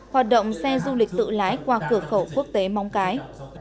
hoạt động xe du lịch tự lái qua cửa khẩu quốc tế móng cái